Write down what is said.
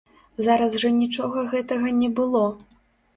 Зараз жа нічога гэтага не было.